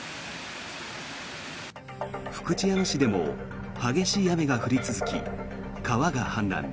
福知山市でも激しい雨が降り続き、川が氾濫。